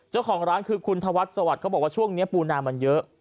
เจ้าของร้านคือคุณธวัฒน์สวัสดิ์เขาบอกว่าช่วงนี้ปูนามันเยอะ